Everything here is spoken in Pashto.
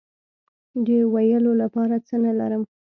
د ویلو لپاره څه نه لرم